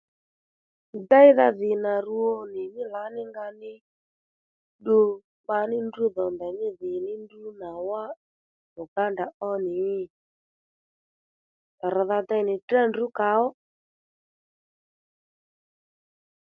Déydha dhì nà rwo nì mí lǎní nga ní ddu kpaní ndrǔ dhò ndèymí dhì ndrǔ dhò wá Uganda ó nì? Rr̀dha dey nì drá ndrǔ kàó